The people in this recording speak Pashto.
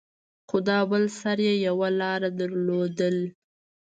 خو دا بل سر يې يوه لاره درلوده.